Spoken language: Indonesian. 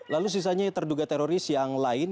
lalu sisanya terduga teroris yang lain